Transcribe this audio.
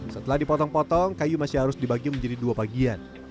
setelah dipotong potong kayu masih harus dibagi menjadi dua bagian